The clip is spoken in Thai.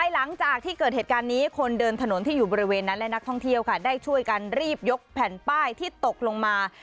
หลังจากที่เกิดเหตุการณ์นี้คนเดินถนนที่อยู่บริเวณนั้นและนักท่องเที่ยวค่ะได้ช่วยกันรีบยกแผ่นป้ายที่ตกลงมา